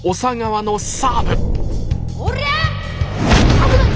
危ない！